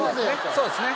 そうですね。